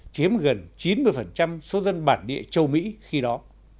chiếm gần chín mươi số dân bản địa châu mỹ khi đó